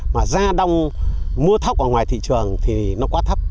mà gia đông mua thóc ở ngoài thị trường thì nó quá thấp